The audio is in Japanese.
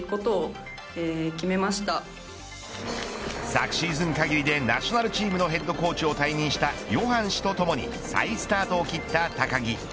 昨シーズン限りでナショナルチームのヘッドコーチを退任したヨハン氏とともに再スタートを切った高木。